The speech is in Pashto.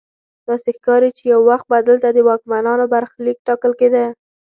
داسې ښکاري چې یو وخت به دلته د واکمنانو برخلیک ټاکل کیده.